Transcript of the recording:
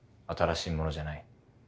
新しいものじゃない。